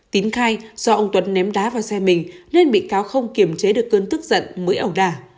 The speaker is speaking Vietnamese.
tín khai do ông tuấn ném đá vào xe mình nên bị cáo không kiềm chế được cơn tức giận mới ẩu đà